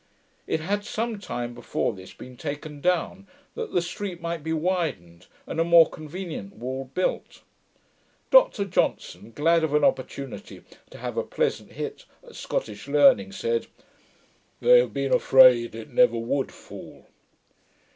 It had some time before this been taken down, that the street might be widened, and a more convenient wall built. Dr Johnson, glad of an opportunity to have a pleasant hit at Scottish learning, said, 'they have been afraid it never would fall'.